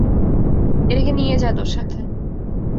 এটাকে নিয়ে যা তোর সাথে!